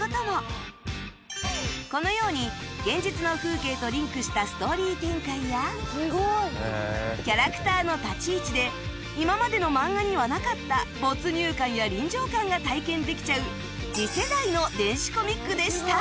このように現実の風景とリンクしたストーリー展開やキャラクターの立ち位置で今までの漫画にはなかった没入感や臨場感が体験できちゃう次世代の電子コミックでした